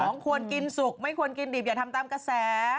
ควรกินสุกไม่ควรกินดิบอย่าทำตามกระแส